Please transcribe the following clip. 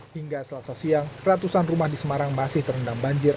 hingga selasa siang ratusan rumah di semarang masih terendam banjir